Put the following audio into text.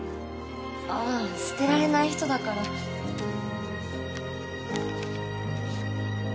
あぁ捨てられない人だから。ふん。